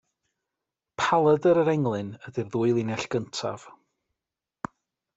Paladr yr englyn ydy'r ddwy linell gyntaf.